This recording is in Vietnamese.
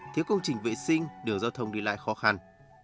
thiếu công trình vệ sinh đường giao thông đi lại khó khăn